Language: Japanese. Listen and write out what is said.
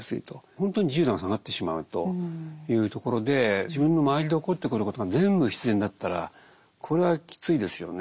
本当に自由度が下がってしまうというところで自分の周りで起こってくることが全部必然だったらこれはきついですよね。